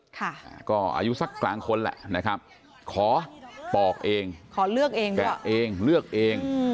ค่ะก็อายุสักกลางคนแหละนะครับขอปอกเองขอเลือกเองนะแกะเองเลือกเอง